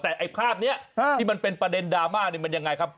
แต่ไอ้ภาพนี้ที่มันเป็นประเด็นดราม่านี่มันยังไงครับ